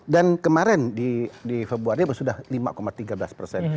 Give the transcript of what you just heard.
dan kemarin di februari sudah lima tiga belas persen